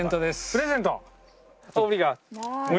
プレゼント！